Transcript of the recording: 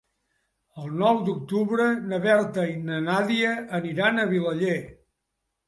El nou d'octubre na Berta i na Nàdia aniran a Vilaller.